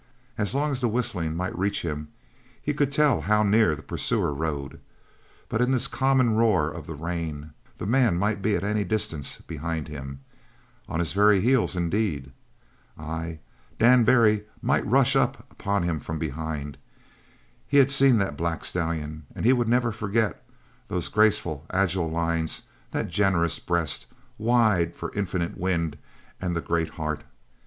As long as the whistling might reach him he could tell how near the pursuer rode; but in this common roar of the rain the man might be at any distance behind him on his very heels, indeed. Ay, Dan Barry might rush upon him from behind. He had seen that black stallion and he would never forget those graceful, agile lines, that generous breast, wide for infinite wind and the great heart.